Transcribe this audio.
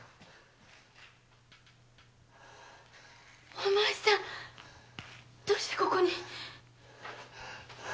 お前さんどうしてここに？